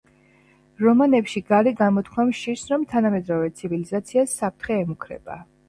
რომანებში გარი გამოთქვამს შიშს, რომ თანამედროვე ცივილიზაციას საფრთხე ემუქრება.